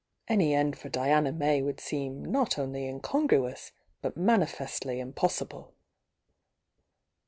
Any end for Diana May would seem not only mcongruous, but manifestly impossible.